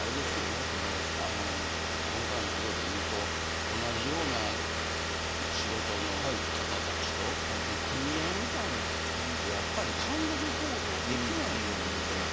今回のことで言うと同じような仕事の方たちと組合みたいなのをつくって単独行動できないように。